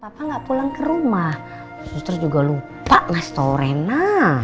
papa gak pulang ke rumah sus terus juga lupa mas torena